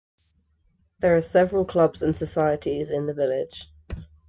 There are several clubs and societies in the village.